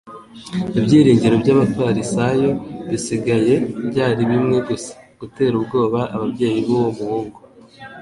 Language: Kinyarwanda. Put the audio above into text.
Ibyiringiro by'abafarisayo bisigaye byari bimwe gusa : gutera ubwoba ababyeyi b'uwo muhungu.